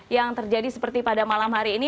yang terjadi seperti pada malam hari ini